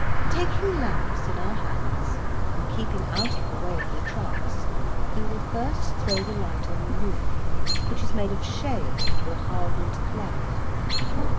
Taking lamps in our hands and keeping out of the way of the trucks, we will first throw the light on the roof, which is made of shale or hardened clay.